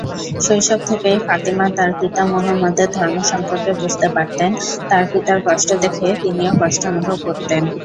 শৈশব থেকেই ফাতিমা তার পিতা মুহাম্মাদের ধর্ম সম্পর্কে বুঝতে পারতেন, তার পিতার কষ্ট দেখে তিনিও কষ্ট অনুভব করতেন।